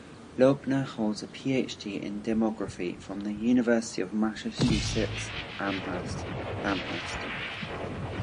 Loebner holds a Ph.D. in demography from the University of Massachusetts Amherst, Amherst.